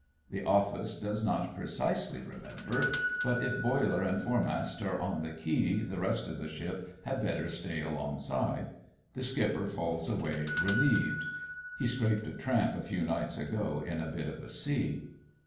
The OflBce does not pre cisely remember, but if boiler and foremast are on the quay the rest of the ship had better stay alongside. The skipper falls away relieved. (He scraped a tramp a few nights ago in a bit of a sea.)